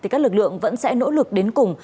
các lực lượng vẫn sẽ nỗ lực đến cùng